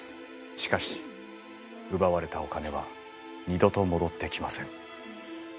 しかし奪われたお金は二度と戻ってきません。